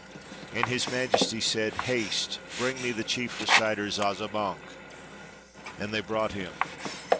And His Majesty said, 'Haste, bring me the chief reciter Zazamankh,' and they brought him.